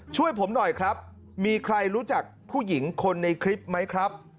ช่วยผมหน่อยครับมีใครรู้จักผู้หญิงคนในคลิปไหมครับ